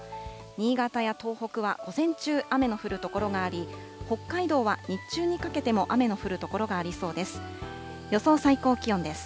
新潟や東北は午前中、雨の降る所があり、北海道は日中にかけても雨の降る所がありそうです。